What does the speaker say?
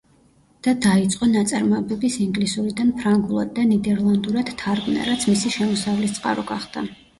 და დაიწყო ნაწარმოებების ინგლისურიდან ფრანგულად და ნიდერლანდურად თარგმნა რაც მისი შემოსავლის წყარო გახდა.